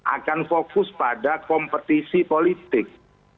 akan fokus pada kompetisi politik